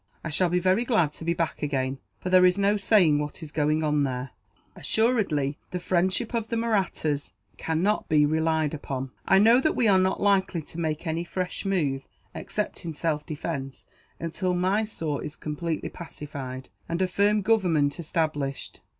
I shall be very glad to be back again, for there is no saying what is going on there. Assuredly, the friendship of the Mahrattas cannot be relied upon. I know that we are not likely to make any fresh move, except in self defence, until Mysore is completely pacified, and a firm government established.